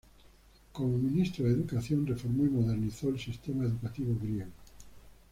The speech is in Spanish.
Como Ministro de Educación, reformó y modernizó el sistema educativo griego.